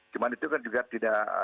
cuma itu kan juga tidak